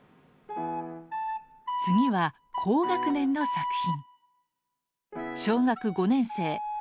次は高学年の作品。